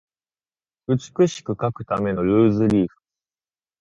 美しく書くためのルーズリーフ